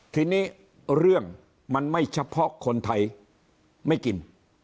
ทีนี้เรื่องมันไม่เฉพาะคนไทยไม่กิน